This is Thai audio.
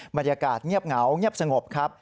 บรรยากาศเงียบเหงาเงียบสงบครับ